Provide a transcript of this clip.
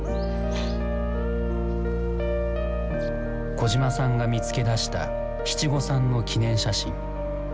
小島さんが見つけ出した七五三の記念写真。